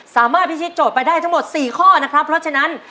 สามารถพิธีโจทย์ไปได้ทั้งหมด๔ข้อนะครับเพราะฉะนั้น